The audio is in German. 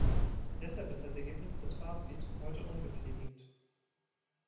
Deshalb ist das Ergebnis, das Fazit, heute unbefriedigend.